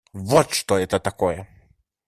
Вот что это такое.